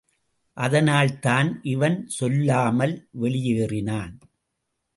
அதனால்தான் இவன் சொல்லாமல் வெளியேறினான்.